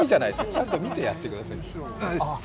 ちゃんと見てやってくださいよ。